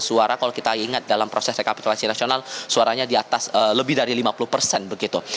suara kalau kita ingat dalam proses rekapitulasi nasional suaranya di atas lebih dari lima puluh persen begitu